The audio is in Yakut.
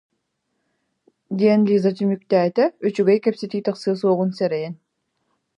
диэн Лиза түмүктээтэ, үчүгэй кэпсэтии тахсыа суоҕун сэрэйэн